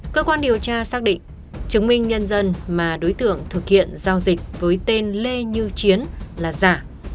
cơ quan điều tra xác định chứng minh nhân dân mà đối tượng thực hiện giao dịch với tên lê như chiến là giả